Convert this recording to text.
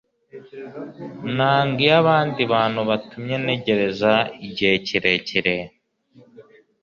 Nanga iyo abandi bantu batumye ntegereza igihe kirekire